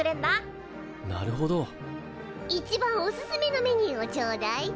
一番おすすめのメニューをちょうだい。